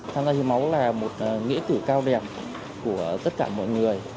tham gia hiến máu là một nghĩa tử cao đẹp của tất cả mọi người